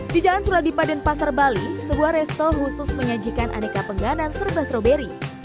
di jalan suradipa dan pasar bali sebuah resto khusus menyajikan aneka penganan serba stroberi